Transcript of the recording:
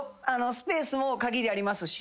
スペースも限りありますし。